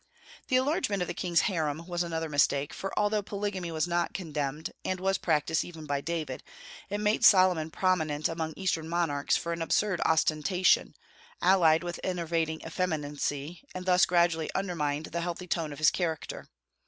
The enlargement of the king's harem was another mistake, for although polygamy was not condemned, and was practised even by David, it made Solomon prominent among Eastern monarchs for an absurd ostentation, allied with enervating effeminacy, and thus gradually undermined the healthy tone of his character.